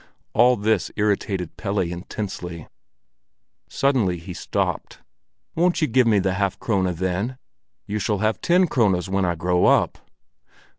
All this irritated Pelle intensely. Suddenly he stopped. "Won't you give me the half krone, then? You shall have ten krones when I grow up."